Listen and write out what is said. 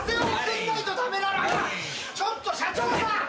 ちょっと社長さん！